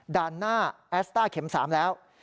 ด้านหน้าแอสตาร์เข็ม๓แล้ว